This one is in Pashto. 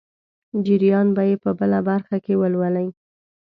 جریان به یې په بله برخه کې ولولئ.